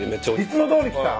いつもどおりきた？